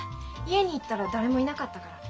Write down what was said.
家に行ったら誰もいなかったから。